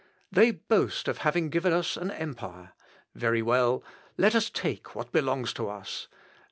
They boast of having given us an empire. Very well! let us take what belongs to us.